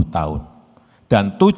tiga puluh tahun dan